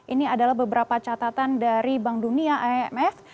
ini adalah beberapa catatan dari bank dunia imf